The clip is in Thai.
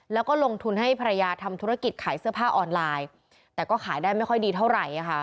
แล้วก็ลงทุนให้ภรรยาทำธุรกิจขายเสื้อผ้าออนไลน์แต่ก็ขายได้ไม่ค่อยดีเท่าไหร่